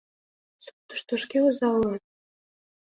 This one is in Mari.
Суртышто шке оза улат.